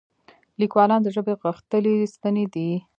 لیکوالان د ژبې غښتلي ستني دي.